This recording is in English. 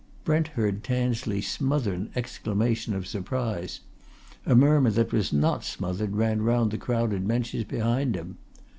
Brent heard Tansley smother an exclamation of surprise; a murmur that was not smothered ran round the crowded benches behind him.